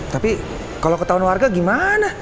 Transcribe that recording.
tapi kalau ke tahun warga gimana